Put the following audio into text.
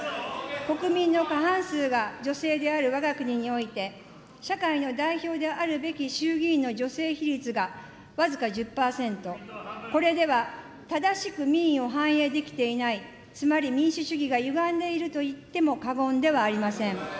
国民の過半数が女性であるわが国において、社会の代表であるべき衆議院の女性比率が僅か１０％、これでは、正しく民意を反映できていない、つまり民主主義がゆがんでいると言っても過言ではありません。